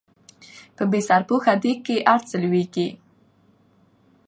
په بې سرپوښه ديګ کې هر څه لوېږي